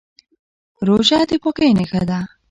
روژه د پاکۍ نښه ده.